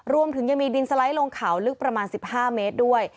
รวมถึงยังมีดินสไลด์ลงเขาลึกประมาณ๑๕เมตรด้วย